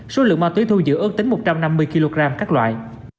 số lượng ma túy thu giữ ước tính một trăm năm mươi kg các loại